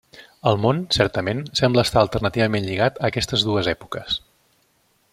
El món, certament, sembla estar alternativament lligat a aquestes dues èpoques.